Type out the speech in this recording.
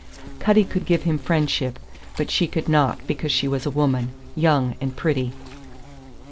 Cutty could give him friendship; but she could not because she was a woman, young and pretty.